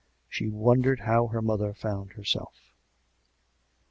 She won dered how her mother found herself.